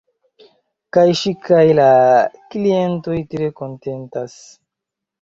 Kaj ŝi kaj la klientoj tre kontentas.